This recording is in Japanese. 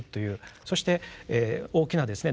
そして大きなですね